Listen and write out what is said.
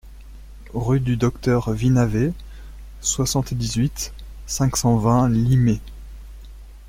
Rue du Docteur Vinaver, soixante-dix-huit, cinq cent vingt Limay